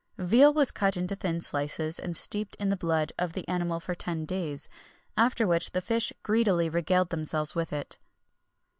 Veal was cut into thin slices, and steeped in the blood of the animal for ten days, after which the fish greedily regaled themselves with it.